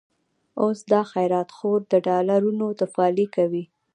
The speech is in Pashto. اوس دا خيرات خور، د ډالرونو تفالې کوي